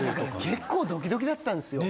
結構ドキドキだったんですよ。